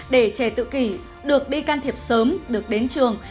để trẻ tự kỷ được đi can thiệp sớm được đến trường